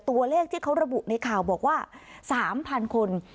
ตัวเลขที่เขาระบุในข่าวบอกว่า๓๐๐๐คน